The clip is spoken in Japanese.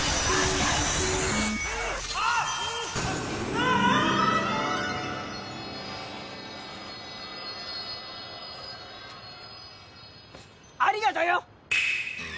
ああ！ありがとよ！